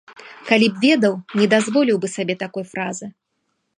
Калі б ведаў, не дазволіў бы сабе такой фразы.